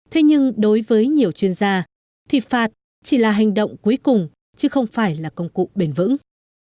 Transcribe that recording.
thế nhưng đối với nhiều chuyên gia thì phạt chỉ là hành động cuối cùng chứ không phải là công cụ bền vững